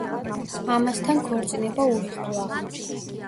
ამასთან, ქორწინება უიღბლო აღმოჩნდა.